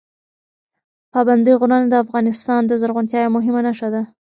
پابندي غرونه د افغانستان د زرغونتیا یوه مهمه نښه ده.